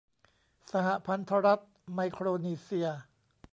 สหพันธรัฐไมโครนีเซีย